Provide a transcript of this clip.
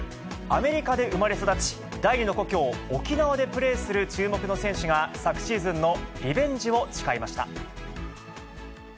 アメリカで生まれ育ち、第２の故郷、沖縄でプレーする注目の選手が、昨シーズンのリベンジを誓いました。